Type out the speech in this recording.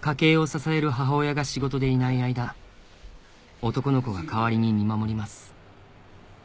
家計を支える母親が仕事でいない間男の子が代わりに見守ります調べて。